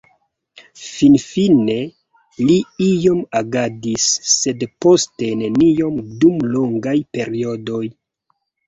Finfine li iom agadis, sed poste neniom dum longaj periodoj.